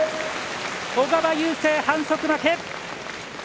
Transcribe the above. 小川雄勢、反則負け。